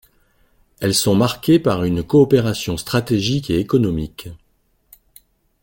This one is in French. Elles sont marquées par une coopération stratégique et économique.